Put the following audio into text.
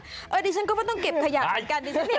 เดี๋ยวฉันก็ไม่ต้องเก็บขยะเหมือนกัน